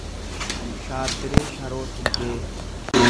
Shaabbiree Sharoo Tuggee